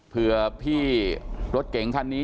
เพื่อพี่รถเก่งคันนี้